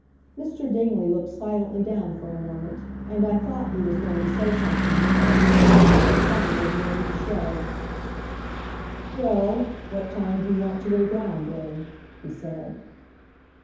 Mr. Dingley looked silently down for a moment, and I thought he was going to say something more, but finally he only, shrugged. "Well, what time do you want to go down, then?" he said.